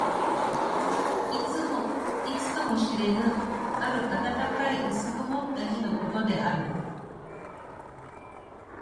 いつとも知れぬ、ある暖かい薄曇った日のことである。